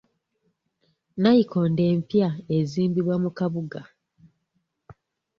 Nnayikondo empya ezimbibwa mu kabuga.